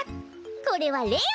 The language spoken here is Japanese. これはレよ！